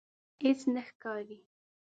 هیڅ نه ښکاري